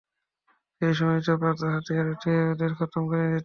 সেই সময় সে পারতো হাতিয়ার উঠিয়ে ওদের খতম করে দিতে।